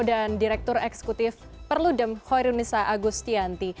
dan direktur eksekutif perludem hoirunisa agustianti